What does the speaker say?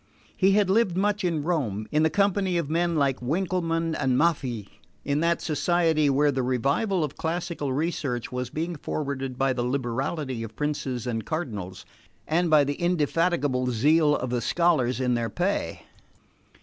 He had lived much in Rome, in the company of men like Winckelmann and Maffei, in that society where the revival of classical research was being forwarded by the liberality of Princes and Cardinals and by the indefatigable zeal of the scholars in their pay.